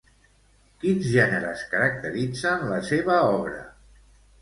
Quins gèneres caracteritzen la seva obra?